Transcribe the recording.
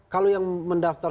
kalau yang mendaftar